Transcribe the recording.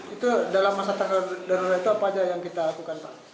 itu dalam masa terakhir itu apa saja yang kita lakukan pak